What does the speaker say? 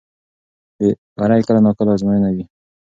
بری کله ناکله ازموینه وي.